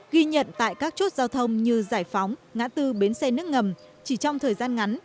ghi nhận tại các chốt giao thông như giải phóng ngã tư bến xe nước ngầm chỉ trong thời gian ngắn